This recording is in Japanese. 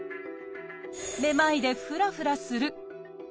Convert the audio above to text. めまいでフラフラする。